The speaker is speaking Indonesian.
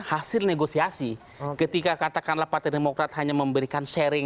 hasil negosiasi ketika katakanlah partai demokrat hanya memberikan sharing